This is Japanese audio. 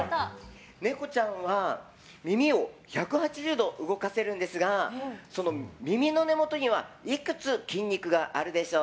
ネコちゃんは耳を１８０度動かせるんですがその耳の根元にはいくつ筋肉があるでしょう。